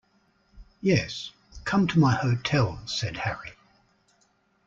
"Yes; come to my hotel," said Harry.